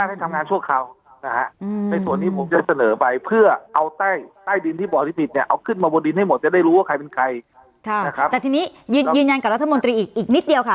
แต่ทีนี้ยืนยันกับรัฐมนตรีอีกอีกนิดเดียวค่ะ